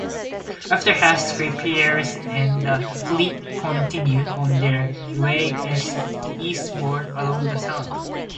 After hasty repairs the fleet continued on their way eastward along the Sound.